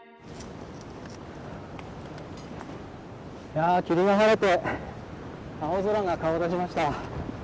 いや霧が晴れて青空が顔を出しました。